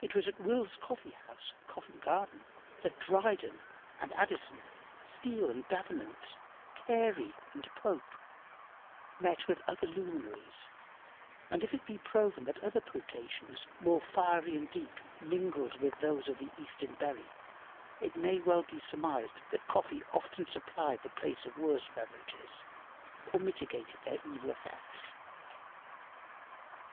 It was at Will's Coffee house, Covent Garden, that Dryden and Addison, Steele and Davenant, Carey and Pope, met with other luminaries, and if it be proven that other potations, more fiery and deep, mingled with those of the Eastern berry, it may well be surmised that coffee often supplied the place of worse beverages, or mitigated their evil effects.